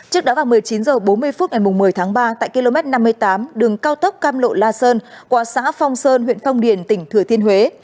trước đó vào một mươi chín h bốn mươi phút ngày một mươi tháng ba tại km năm mươi tám đường cao tốc cam lộ la sơn qua xã phong sơn huyện phong điền tỉnh thừa thiên huế